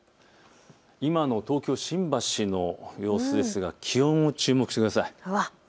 今の東京新橋の様子ですが気温に注目してください。